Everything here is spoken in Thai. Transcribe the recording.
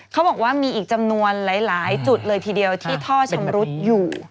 เขาบอกว่ามีอีกจำนวนหลายจุดเลยทีเดียวที่ท่อชำรุดอยู่